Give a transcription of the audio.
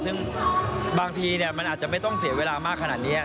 ซึ่งบางทีมันอาจจะไม่ต้องเสียเวลามากขนาดนี้